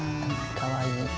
かわいい。